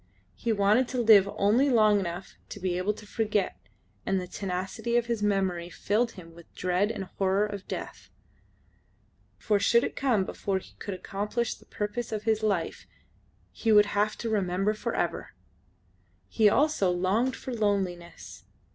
He wanted to live only long enough to be able to forget, and the tenacity of his memory filled him with dread and horror of death; for should it come before he could accomplish the purpose of his life he would have to remember for ever! He also longed for loneliness.